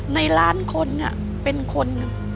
ในล้านคนเป็นคน